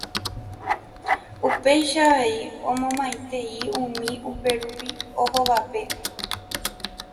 upéicha avei omomaitei umi upérupi ohóvape